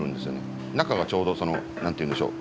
中がちょうど何て言うんでしょう